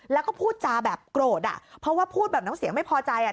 แล้วก็พูดจาแบบโกรธอ่ะเพราะว่าพูดแบบน้ำเสียงไม่พอใจอ่ะ